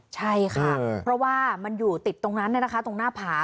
ใช่ค่ะเพราะว่ามันอยู่ติดตรงนั้นตรงหน้าผา